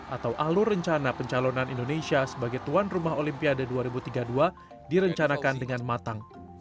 atau alur rencana pencalonan indonesia sebagai tuan rumah olimpiade dua ribu tiga puluh dua direncanakan dengan matang